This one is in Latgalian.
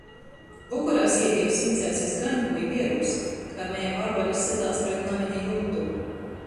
Vokorā siedieju siņcēs iz gaņku i vierūs, kai maja vabalis sytās pret nameņa jumtu.